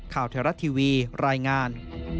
ข่าวเทราะท์ทีวีรายงาน